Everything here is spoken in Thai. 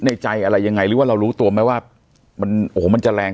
ใจอะไรยังไงหรือว่าเรารู้ตัวไหมว่ามันโอ้โหมันจะแรง